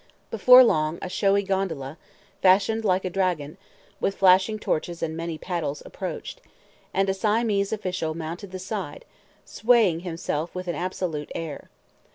Before long a showy gondola, fashioned like a dragon, with flashing torches and many paddles, approached; and a Siamese official mounted the side, swaying himself with an absolute air.